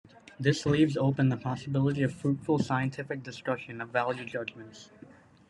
This leaves open the possibility of fruitful scientific discussion of value judgments.